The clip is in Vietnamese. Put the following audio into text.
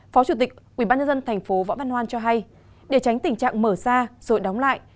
phó chủ tịch ubnd tp hcm cho hay để tránh tình trạng mở ra rồi đóng lại